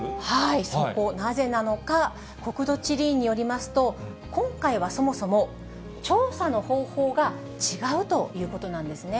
そこ、なぜなのか、国土地理院によりますと、今回はそもそも調査の方法が違うということなんですね。